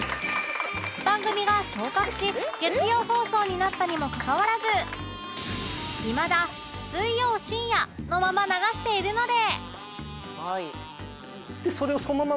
番組が昇格し月曜放送になったにもかかわらずいまだ「水曜深夜」のまま流しているので